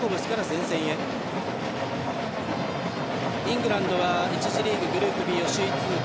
イングランドは１次リーググループＢを首位通過。